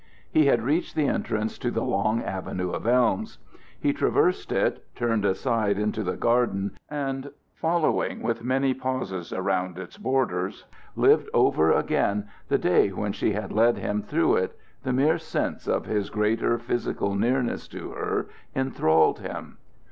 He had reached the entrance to the long avenue of elms. He traversed it, turned aside into the garden, and, following with many pauses around its borders, lived over again the day when she had led him through it. The mere sense of his greater physical nearness to her inthralled him.